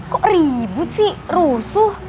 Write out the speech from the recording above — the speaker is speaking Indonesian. kok ribut sih rusuh